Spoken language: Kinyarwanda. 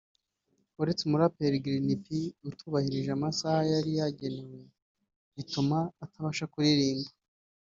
uretse umuraperi Green P utubahirije amasaha yari yagenewe bituma atabasha kuririmba